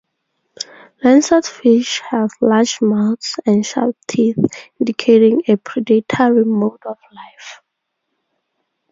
Lancetfish have large mouths and sharp teeth, indicating a predatory mode of life.